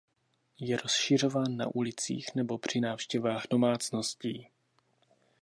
Je rozšiřován na ulicích nebo při návštěvách domácností.